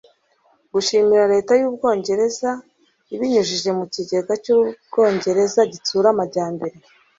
gushimira leta y'ubwongereza, ibinyujije mu kigega cy'ubwongereza gitsura amajyambere